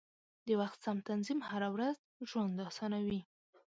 د وخت سم تنظیم هره ورځي ژوند اسانوي.